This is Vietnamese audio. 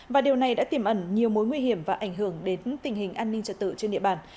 và điều này đã tiềm ẩn nhiều mối nguy hiểm và ảnh hưởng đến tình hình an ninh trật tự trên địa bàn